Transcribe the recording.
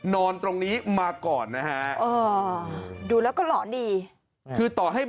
นอนเนี่ยมาก่อนนะฮะ